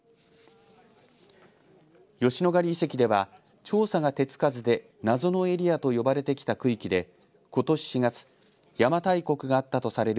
吉野ヶ里遺跡では調査が手つかずで謎のエリアと呼ばれてきた区域で、ことし４月邪馬台国があったとされる